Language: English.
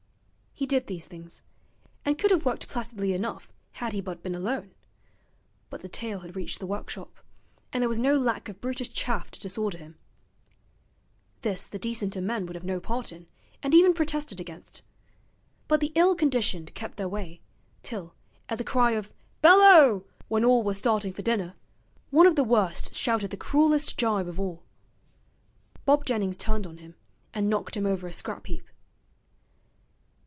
He did these things, and could have worked placidly enough had he but been alone; but the tale had reached the workshop, and there was no lack of brutish chaff to disorder him. This the decenter men would have no part in, and even protested against. But the ill conditioned kept their way, till, at the cry of 'Bell O!' when all were starting for dinner, one of the worst shouted the cruellest gibe of all. Bob Jennings turned on him and knocked him over a scrap heap.